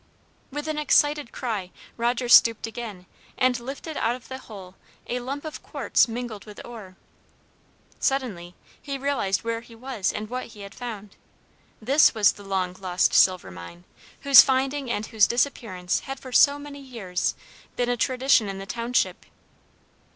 With an excited cry, Roger stooped again, and lifted out of the hole a lump of quartz mingled with ore. Suddenly he realized where he was and what he had found. This was the long lost silver mine, whose finding and whose disappearance had for so many years been a tradition in the township.